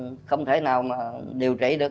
cái bệnh tật là không thể nào mà điều trị được